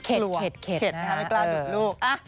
เข็ดไม่กล้าหยุดลูก